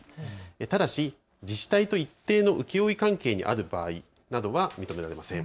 ただし自治体と一定の請負関係にある場合などは認められません。